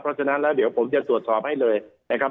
เพราะฉะนั้นแล้วเดี๋ยวผมจะตรวจสอบให้เลยนะครับ